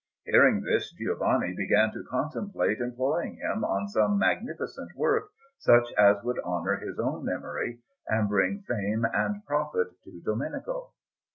Hearing this, Giovanni began to contemplate employing him on some magnificent work, such as would honour his own memory and bring fame and profit to Domenico.